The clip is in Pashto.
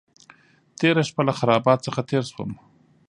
تېره شپه له خرابات څخه تېر شوم.